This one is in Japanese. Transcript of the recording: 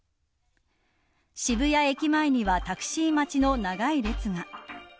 渋谷駅前にはタクシー待ちの長い列が。